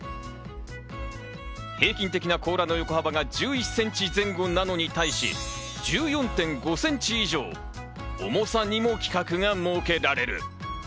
平均的な甲羅の横幅が１１センチ前後なのに対し、１４．５センチ以上、重さにも規格が設けられる。